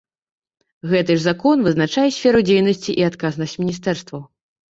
Гэты ж закон вызначае сферу дзейнасці і адказнасць міністэрстваў.